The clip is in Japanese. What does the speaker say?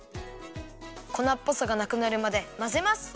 こなっぽさがなくなるまでまぜます！